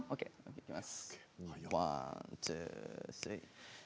いきます。